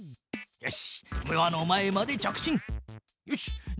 よし。